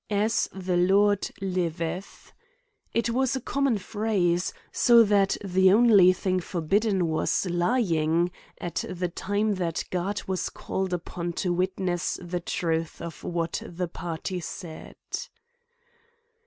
*^ as the Lord liveth,^^ It was a common phrase ; so that the only thing forbidden, was, lying, at the time that God was called upon to witness the truth of what the party said.